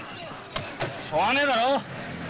しょうがねえだろ。